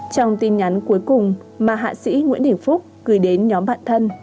trong tin nhắn cuối cùng mà hạ sĩ nguyễn đình phúc gửi đến nhóm bạn thân